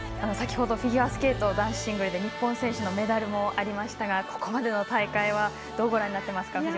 先ほどフィギュアスケート男子シングルで日本選手のメダルもありましたがここまでの大会どうご覧になっていますか。